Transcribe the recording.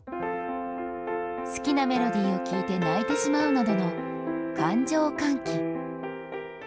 好きなメロディーを聴いて泣いてしまうなどの感情歓喜。